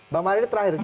bang mardhani terakhir